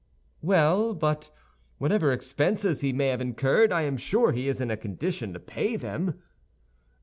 "Well, but whatever expenses he may have incurred, I am sure he is in a condition to pay them."